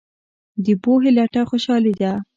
د پوهې لټه خوشحالي ده.